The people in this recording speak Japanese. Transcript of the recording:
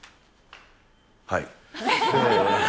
はい。